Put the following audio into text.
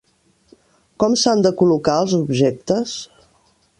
Com s'han de col·locar els objectes?